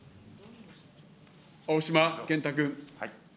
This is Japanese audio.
青島健太君。